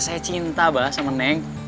saya cinta abah sama neng